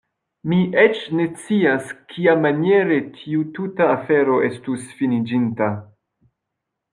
Mi eĉ ne scias kiamaniere tiu tuta afero estus finiĝinta.